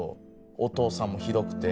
お父さんもひどくて。